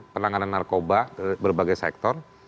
penanganan narkoba berbagai sektor